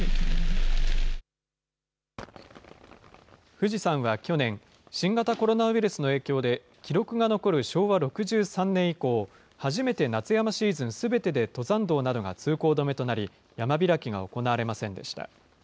富士山は去年、新型コロナウイルスの影響で、記録が残る昭和６３年以降、初めて夏山シーズンすべてで登山道などが通行止めとなり、山開きが行われませんでした。